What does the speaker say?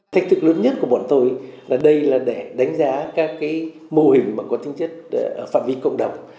thách thức lớn nhất của bọn tôi là đây là để đánh giá các mô hình có tính chất phạm vi cộng đồng